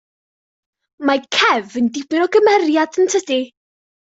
Mae Kev yn dipyn o gymeriad yn tydi.